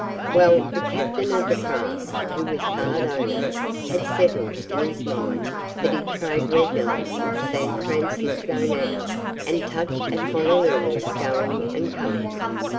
Well, the captain of the craft, who was part owner, had settled in his mind that he'd trade regular with San Francisco now, and touch at Honolulu going and coming.